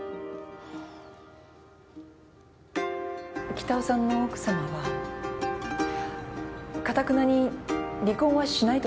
北尾さんの奥さまはかたくなに離婚はしないとおっしゃってます。